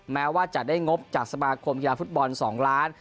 แม้ว่าจะได้งบจากสมาคมกีฬาฟุตบอล๒ล้าน